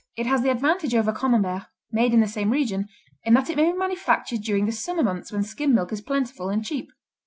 It has the advantage over Camembert, made in the same region, in that it may be manufactured during the summer months when skim milk is plentiful and cheap.